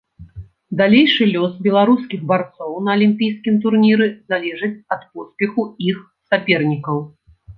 Далейшы лёс беларускіх барцоў на алімпійскім турніры залежыць ад поспеху іх сапернікаў.